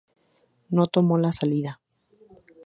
No tomó la salida.